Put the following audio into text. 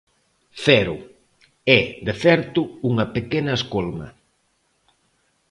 ¡Cero! É, de certo, unha pequena escolma.